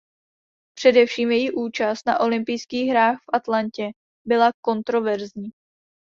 Především její účast na olympijských hrách v Atlantě byla kontroverzní.